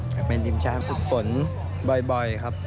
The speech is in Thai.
อยากเป็นทีมชาติฝุ่นบ่อยครับ